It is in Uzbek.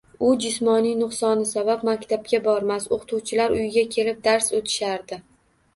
U jismoniy nuqsoni sabab maktabga bormas, o‘qituvchilar uyiga kelib, dars o‘tishardi.